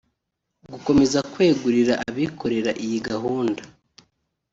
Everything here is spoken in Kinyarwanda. gukomeza kwegurira abikorera iyi gahunda